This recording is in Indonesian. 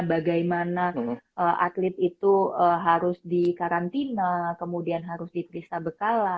bagaimana atlet itu harus dikarantina kemudian harus diperiksa bekala